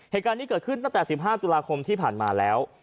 เหตุการณ์นี้เกิดขึ้นตั้งแต่๑๕ตุลาคมที่ผ่านมาแล้ว